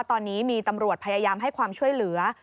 ตอนนี้มีตำรวจพยายามให้ความช่วยเหลือ